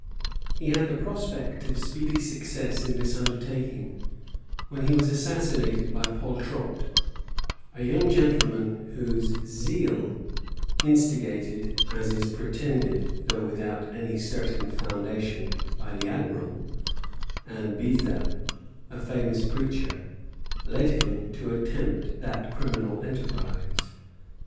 He had the prospect of speedy success in this undertaking; when he was assassinated by Poltrot, a young gentleman whose zeal, instigated (as is pretended, though without any certain foundation) by the admiral, and Beza, a famous preacher, led him to attempt that criminal enterprise.